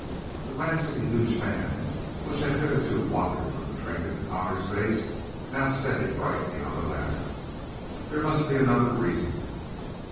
The glance of the huge man, which had hitherto wandered from the trinket to Connor's face, now steadied brightly upon the latter. "There must be another reason."